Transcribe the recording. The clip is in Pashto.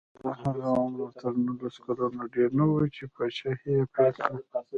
د هغه عمر تر نولس کلونو ډېر نه و چې پاچاهي یې پیل کړه.